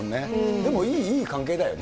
でもいい関係だよね。